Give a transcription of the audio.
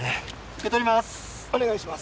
受け取ります。